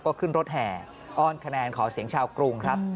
ก็ขึ้นรถแห่อ้อนคะแนนขอเสียงชาวกรุงครับ